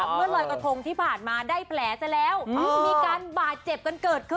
เมื่อลอยกระทงที่ผ่านมาได้แผลซะแล้วมีการบาดเจ็บกันเกิดขึ้น